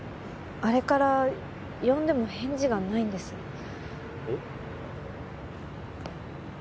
あれから呼んでも返事がないんですうん？